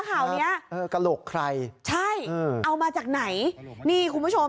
ข่าวเนี้ยเออกระโหลกใครใช่เออเอามาจากไหนนี่คุณผู้ชม